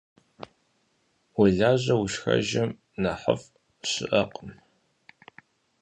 Vulajeu vuşşxejjın nexhıf' şı'ekhım.